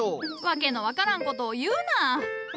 訳の分からんことを言うな。